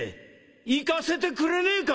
行かせてくれねえか！